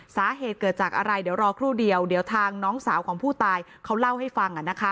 สาเหตุเกิดจากอะไรเดี๋ยวรอครู่เดียวเดี๋ยวทางน้องสาวของผู้ตายเขาเล่าให้ฟัง